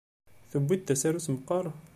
Tewwi-d tasarut meqqar?